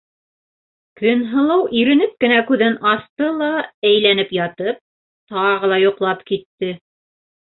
Көнһылыу иренеп кенә күҙен асты ла, әйләнеп ятып, тағы ла йоҡлап китте.